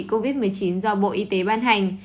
covid một mươi chín do bộ y tế ban hành